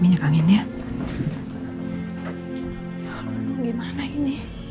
ya allah gimana ini